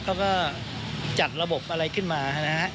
เขาก็จัดระบบอะไรขึ้นมานะฮะ